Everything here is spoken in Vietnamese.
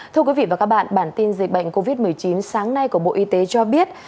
thưa quý vị và các bạn bản tin dịch bệnh covid một mươi chín sáng nay của bộ y tế cho biết